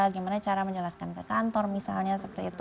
gimana cara menjelaskan ke kantor misalnya seperti itu